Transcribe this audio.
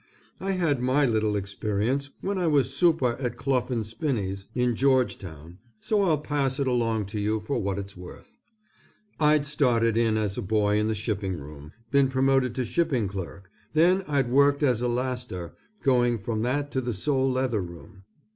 I had my little experience when I was super. at Clough & Spinney's in Georgetown so I'll pass it along to you for what its worth. I'd started in as a boy in the shipping room, been promoted to shipping clerk, then I'd worked as a laster, going from that to the sole leather room.